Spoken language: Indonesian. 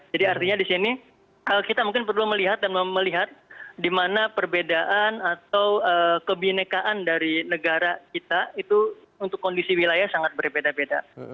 jadi artinya di sini kita mungkin perlu melihat dan melihat di mana perbedaan atau kebinekaan dari negara kita itu untuk kondisi wilayah sangat berbeda beda